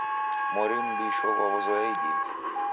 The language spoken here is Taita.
Mori mmbisho ghwazoya idime.